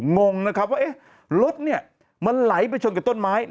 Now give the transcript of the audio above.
งงนะครับว่ารถเนี่ยมันไหลไปชนกับต้นไม้